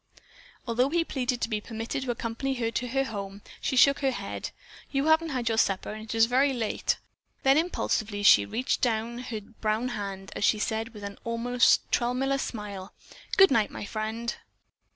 Although he pleaded to be permitted to accompany her to her home, she shook her head. "You haven't had your supper and it is very late." Then impulsively she reached down her brown hand as she said with an almost tremulous smile: "Good night, my friend."